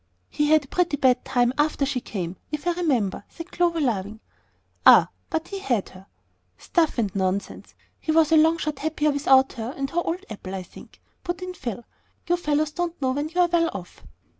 "He had a pretty bad time after she came, if I remember," said Clover, laughing. "Ah, but he had her!" "Stuff and nonsense! He was a long shot happier without her and her old apple, I think," put in Phil. "You fellows don't know when you're well off."